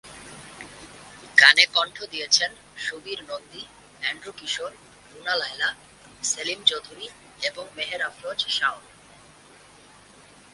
গানে কণ্ঠ দিয়েছেন সুবীর নন্দী, এন্ড্রু কিশোর, রুনা লায়লা, সেলিম চৌধুরী এবং মেহের আফরোজ শাওন।